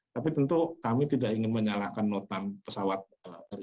tapi tentu kami tidak ingin menyalahkan notam pesawat ri